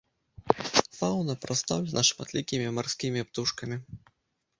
Фаўна прадстаўлена шматлікімі марскімі птушкамі.